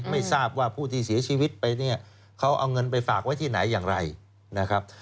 ไม่ทราบว่าผู้ที่เสียชีวิตไปเนี่ยเขาเอาเงินไปฝากไว้ที่ไหนอย่างไรนะครับ